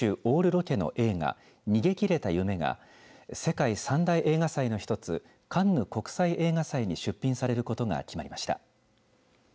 北九州オールロケの映画逃げきれた夢が世界三大映画祭の一つカンヌ国際映画祭に出品されることが決まりました。